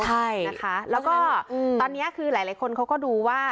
แล้วก็ตอนนี้พอที่หลายละคนเขาก็ดูว่า